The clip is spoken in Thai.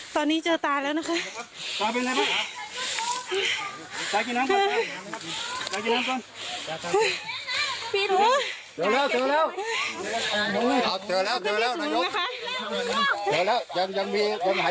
ตอนนี้เจอตาแล้วนะคะ